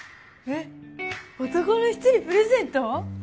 えっ男の人にプレゼント？